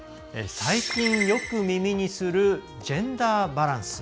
最近、よく耳にするジェンダーバランス。